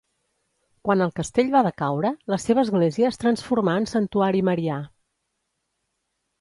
Quan el castell va decaure, la seva església es transformà en santuari marià.